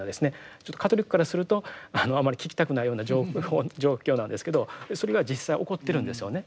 カトリックからするとあまり聞きたくないような状況なんですけどそれが実際起こってるんですよね。